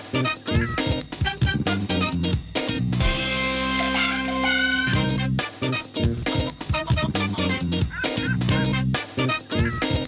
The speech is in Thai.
โปรดติดตามตอนต่อไป